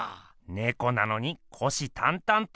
ねこなのに虎視たんたんと。